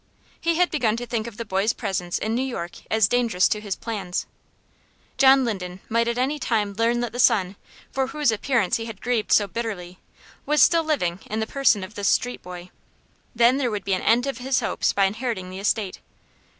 He had begun to think of the boy's presence in New York as dangerous to his plans. John Linden might at any time learn that the son, for whose appearance he had grieved so bitterly, was still living in the person of this street boy. Then there would be an end of his hopes of inheriting the estate.